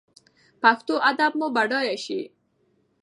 پښتو ادب مو بډایه شي.